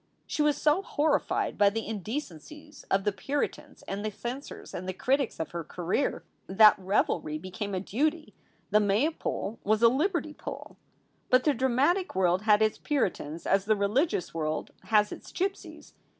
She was so horrified by the indecencies of the Puritans and the censors and the critics of her career, that revelry became a duty. The Maypole was a liberty pole. But the dramatic world had its Puritans as the religious world has its gypsies.